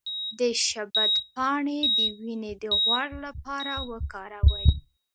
د شبت پاڼې د وینې د غوړ لپاره وکاروئ